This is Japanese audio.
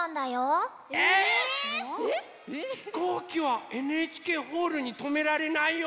え⁉ひこうきはＮＨＫホールにとめられないよ。